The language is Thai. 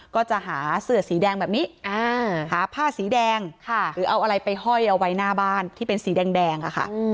ก็จะหาเสื้อสีแดงแบบนี้หาผ้าสีแดงหรือเอาอะไรไปห้อยเอาไว้หน้าบ้านที่เป็นสีแดงอะค่ะ